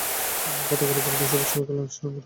পাতা গোলাকৃতি ও সবুজ ও হালকা লালচে রঙের হয়ে থাকে।